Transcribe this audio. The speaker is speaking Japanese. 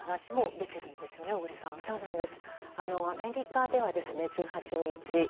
アメリカでは１８日